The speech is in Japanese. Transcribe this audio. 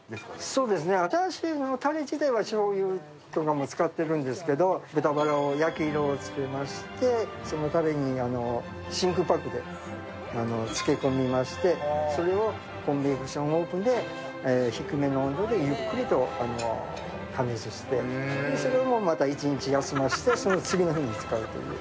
そうですね、新しいもの、たれとかしょうゆも使ってますけど豚バラを焼き色をつけまして、そのたれに真空パックでつけ込みましてそれをオーブンで低めの温度でゆっくりと加熱して、それをまた一日休ませて次の日に使うという。